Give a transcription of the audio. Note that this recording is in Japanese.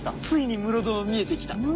ついに室堂見えてきた。